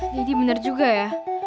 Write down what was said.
deddy bener juga ya